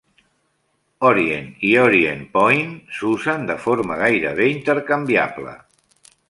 "Orient" i "Orient Point" s'usen de forma gairebé intercanviable.